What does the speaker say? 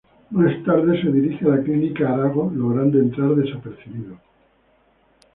Más tarde se dirige a la clínica Arago logrando entrar desapercibido.